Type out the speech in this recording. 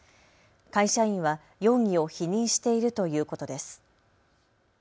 会社員は容疑を否認しているということです。